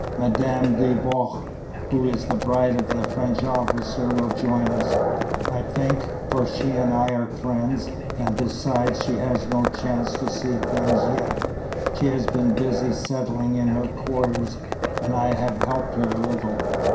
Madame de Vaux, who is the bride of a French officer, will join us, I think, for she and I are friends, and besides, she has had no chance to see things yet. She has been busy settling in her quarters and I have helped her a little."